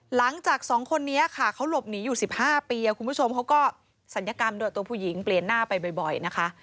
หลังจากสองคนนี้ค่ะเขาหลบหนีอยู่๑๕ปีคุณผู้ชมเขาก็ศัลยกรรมด้วยตัวผู้หญิงเปลี่ยนหน้าไปบ่อยนะคะ